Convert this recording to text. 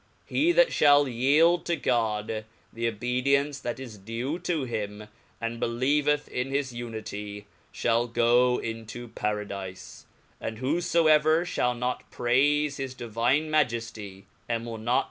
He that fliali yeild to God the obedience that is duQ to hiai, and believeth in his Unity, fliall go into Paradife; and v^holbeverfiiallnotpraife his divine Majefty, and will not be con chap.